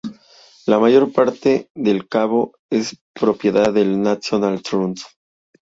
La mayor parte del cabo es propiedad del National Trust.